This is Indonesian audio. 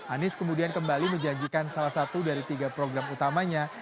anies kemudian kembali menjanjikan salah satu dari tiga program utamanya